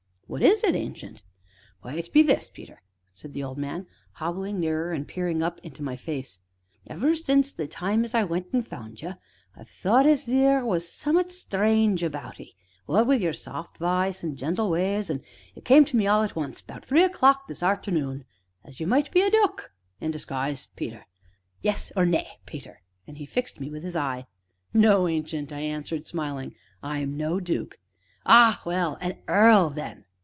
"What is it, Ancient?" "Why, it be this, Peter," said the old man, hobbling nearer, and peering up into my face, "ever since the time as I went an' found ye, I've thought as theer was summ'at strange about 'ee, what wi' your soft voice an' gentle ways; an' it came on me all at once about three o' the clock 's arternoon, as you might be a dook in disguise, Peter. Come now, be ye a dook or bean't ye yes or no, Peter?" and he fixed me with his eye. "No, Ancient," I answered, smiling; "I'm no duke." "Ah well! a earl, then?"